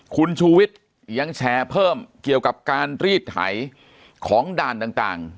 คุณชูวิทย์ยังแชร์เพิ่มเกี่ยวกับการรีดไถของด่านต่าง